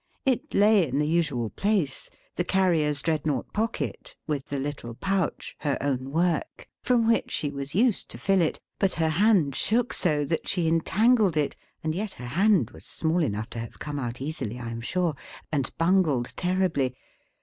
It lay in the usual place; the Carrier's dreadnought pocket; with the little pouch, her own work; from which she was used to fill it; but her hand shook so, that she entangled it (and yet her hand was small enough to have come out easily, I am sure), and bungled terribly.